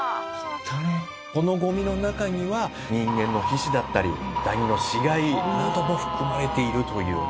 このゴミの中には人間の皮脂だったりダニの死骸なども含まれているという。